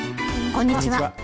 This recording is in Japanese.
こんにちは。